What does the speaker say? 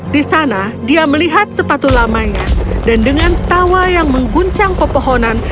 di sana dia melihat sepatu lamanya dan dengan tawa yang mengguncang pepohonan